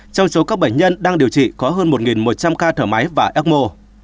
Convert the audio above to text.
trong số các bệnh nhân đang điều trị có hơn một một trăm linh ca thở máy và ecmo